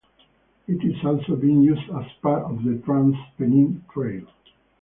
It is also being used as part of the Trans Pennine Trail.